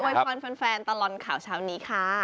โอ้ยพาวนแฟนตลอนข่าวเช้านี้ค่ะ